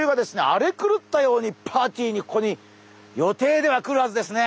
荒れ狂ったようにパーティーにここに予定では来るはずですね。